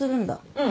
うん。